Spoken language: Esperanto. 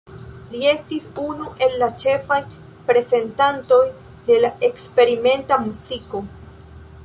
Li estis unu el ĉefaj reprezentantoj de la eksperimenta muziko.